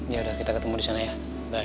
yaudah kita ketemu disana ya bye